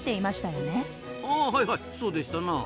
あはいはいそうでしたな。